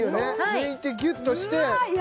抜いてギュッとしてやばい！